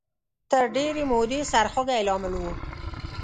تر ډېرې مودې سرخوږۍ لامل و